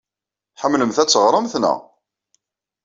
Tḥemmlemt ad teɣremt, naɣ?